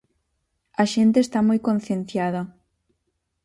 A xente está moi concienciada.